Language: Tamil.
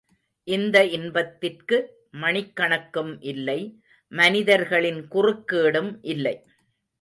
இந்த இன்பத்திற்கு மணிக்கணக்கும் இல்லை, மனிதர்களின் குறுக்கீடும் இல்லை.